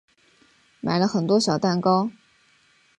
买了很多小蛋糕